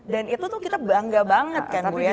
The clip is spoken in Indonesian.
dan itu tuh kita bangga banget kan bu ya